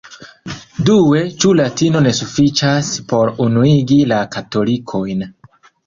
Due, ĉu latino ne sufiĉas por unuigi la katolikojn.